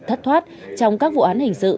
thất thoát trong các vụ án hình sự